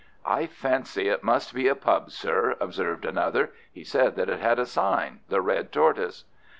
"I fancy it must be a pub, sir," observed another. "He said that it had a sign the Red Tortoise."